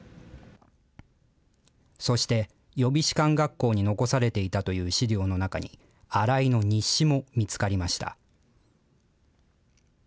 そして、予備士官学校に残されていたという資料の中に、新井の日誌も見つかりました。